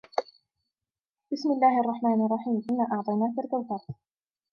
بسم الله الرحمن الرحيم إنا أعطيناك الكوثر